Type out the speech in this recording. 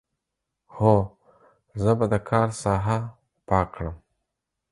هو، زه به د کار ساحه پاک کړم.